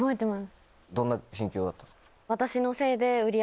どんな心境だったんですか？